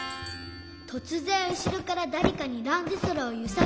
とつぜんうしろからだれかにランドセルをゆさぶられたり。